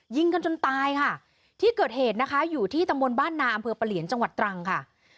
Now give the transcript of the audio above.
ยิงกันจนตายค่ะที่เกิดเหตุนะคะอยู่ที่ตำบลบ้านนาอำเภอปะเหลียนจังหวัดตรังค่ะ